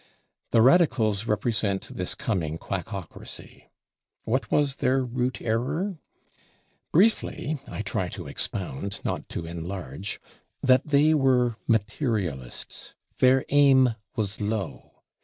'" The radicals represent this coming "Quackocracy." What was their root error? Briefly (I try to expound, not to enlarge), that they were materialists. Their aim was low.